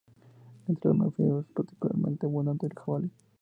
Entre los mamíferos es particularmente abundante el jabalí.